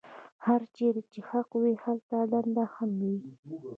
هرچېرې چې حق وي هلته دنده هم وي.